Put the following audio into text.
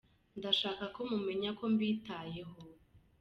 ndashako mumenya ko mbitayeho